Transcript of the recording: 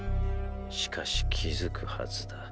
しかし気づくはずだ。